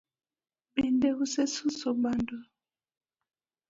bende usesuso bando?